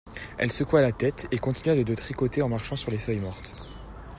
Elle secoua la tête, et continua de tricoter en marchant sur les feuilles mortes.